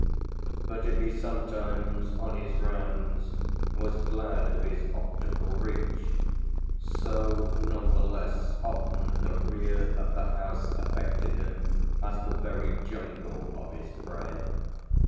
But if he sometimes, on his rounds, was glad of his optical reach, so none the less often the rear of the house affected him as the very jungle of his prey.